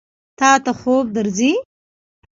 تا ته خوب درځي؟